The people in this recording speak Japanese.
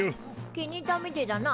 気に入ったみてえだな。